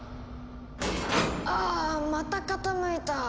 あまた傾いた！